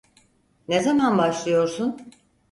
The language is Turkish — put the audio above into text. Ne zaman başlıyorsun?